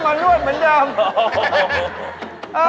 โอ้โฮ